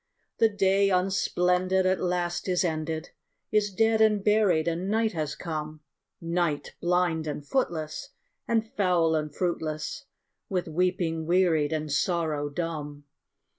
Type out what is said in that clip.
The day, unsplendid, at last is ended, Is dead and buried, and night has come; Night, blind and footless, and foul and fruitless, With weeping wearied, and sorrow dumb.